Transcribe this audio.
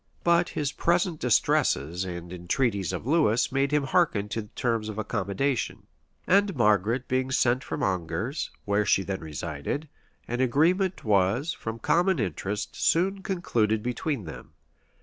But his present distresses and the entreaties of Lewis made him hearken to terms of accommodation; and Margaret being sent for from Angers, where she then resided, an agreement was, from common interest, soon concluded between them.